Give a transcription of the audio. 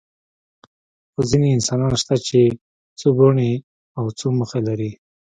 خو ځینې انسانان شته چې څو بڼې او څو مخه لري.